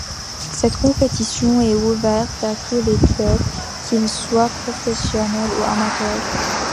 Cette compétition est ouverte à tous les clubs qu'ils soient professionnels ou amateurs.